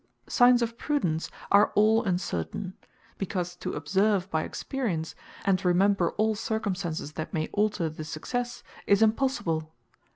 Signes of prudence are all uncertain; because to observe by experience, and remember all circumstances that may alter the successe, is impossible.